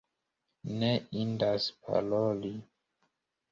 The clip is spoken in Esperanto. Ne indas paroli.